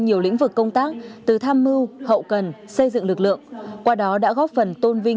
nhiều lĩnh vực công tác từ tham mưu hậu cần xây dựng lực lượng qua đó đã góp phần tôn vinh